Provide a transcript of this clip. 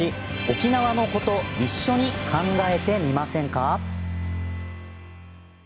沖縄のこと一緒に考えてみませんか？